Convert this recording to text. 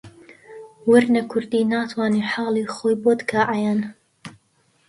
وەرنە کوردی ناتوانێ حاڵی خۆی بۆت کا عەیان